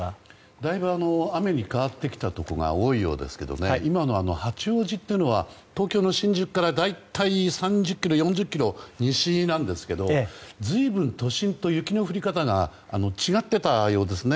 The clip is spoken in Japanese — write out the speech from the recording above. だいぶ雨に変わってきたところが多いようですけど今の八王子というのは東京の新宿区から大体３０ｋｍ、４０ｋｍ西なんですけど随分都心と違って雪の降り方が違っていたようですね。